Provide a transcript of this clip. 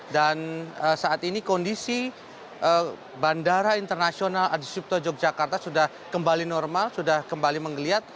dan saat ini kondisi bandara internasional adiswipto yogyakarta sudah kembali normal sudah kembali menggeliat